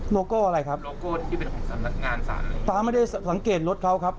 โลโก้อะไรครับป๊าไม่ได้สังเกตรรถเขาครับ